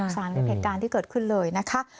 สารกับเหตุการณ์ที่เกิดขึ้นเลยนะคะ